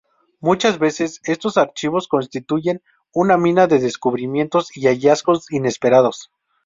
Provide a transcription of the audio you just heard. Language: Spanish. Muchas veces estos archivos constituyen una mina de descubrimientos y hallazgos inesperados.